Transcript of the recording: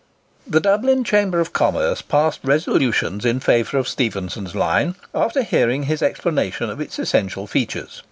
The Dublin Chamber of Commerce passed resolutions in favour of Stephenson's line, after hearing his explanation of its essential features.